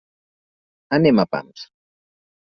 Anem a pams.